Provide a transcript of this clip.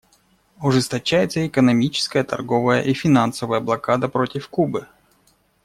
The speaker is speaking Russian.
Ужесточается и экономическая, торговая и финансовая блокада против Кубы.